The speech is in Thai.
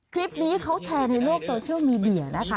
คลิปนี้เขาแชร์ในโลกโซเชียลมีเดียนะคะ